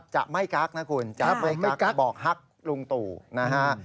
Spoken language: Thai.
จะไม่กักนะคุณจะไม่กักบอกฮักลุงตู่นะฮะ